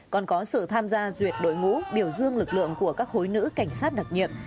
còn có sự tham gia duyệt đội ngũ biểu dương lực lượng của các khối nữ cảnh sát đặc nhiệm